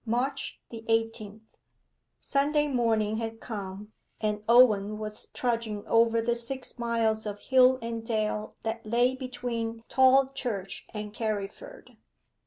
MARCH THE EIGHTEENTH Sunday morning had come, and Owen was trudging over the six miles of hill and dale that lay between Tolchurch and Carriford.